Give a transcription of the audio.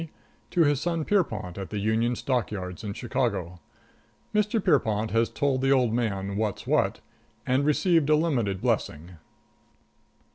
to his son, || Pierrepont, at the Union || Stock Yards in Chicago. || Mr. Pierrepont has told || the old man "what's what" || and received a limited || blessing.